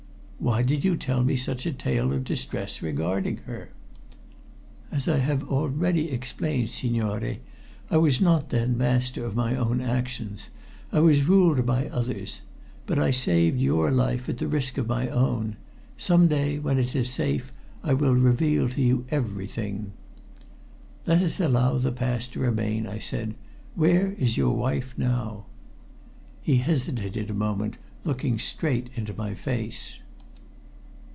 "Why did you tell me such a tale of distress regarding her?" "As I have already explained, signore, I was not then master of my own actions. I was ruled by others. But I saved your life at risk of my own. Some day, when it is safe, I will reveal to you everything." "Let us allow the past to remain," I said. "Where is your wife now?" He hesitated a moment, looking straight into my face.